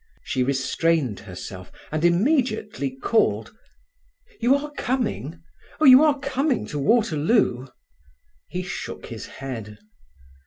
She restrained herself, and immediately called: "You are coming? Oh, you are coming to Waterloo?" He shook his head.